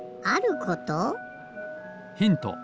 ヒント